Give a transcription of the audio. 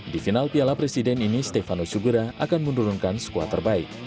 di final piala presiden ini stefano sugera akan menurunkan skuad terbaik